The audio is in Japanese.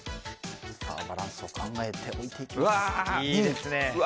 バランスを考えて置いていきます。